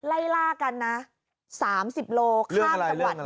ไล่ล่ากันเหรอ